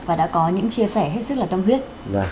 và đã có những chia sẻ hết sức là tâm huyết